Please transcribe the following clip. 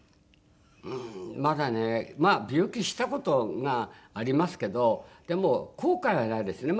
うーんまだねまあ病気した事がありますけどでも後悔はないですね。